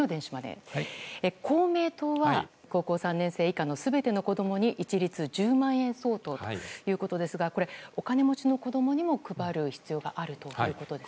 公明党は高校３年生以下の全ての子供に一律１０万円相当ということですがこれは、お金持ちの子供にも配る必要があるということですか。